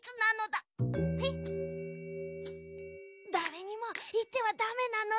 だれにもいってはダメなのだ。